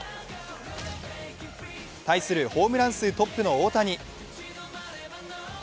対するホームラン数トップの大谷。